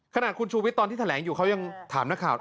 ขนาดคุณชูวิทย์ตอนที่แถลงอยู่เขายังถามนักข่าว